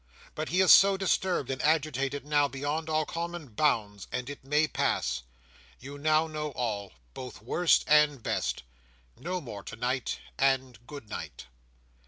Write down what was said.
But he is disturbed and agitated now beyond all common bounds, and it may pass. You now know all, both worst and best. No more tonight, and good night!"